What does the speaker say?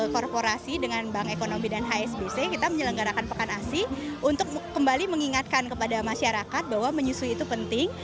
korporasi dengan bank ekonomi dan hsbc kita menyelenggarakan pekan asi untuk kembali mengingatkan kepada masyarakat bahwa menyusui itu penting